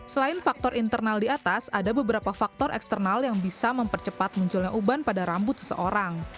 selain faktor internal di atas ada beberapa faktor eksternal yang bisa mempercepat munculnya uban pada rambut seseorang